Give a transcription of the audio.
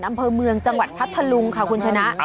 อำเภอเมืองจังหวัดพัทธลุงค่ะคุณชนะ